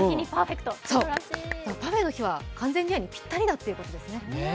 パフェの日は完全試合にぴったりなんですね。